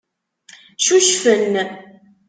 Cucfen.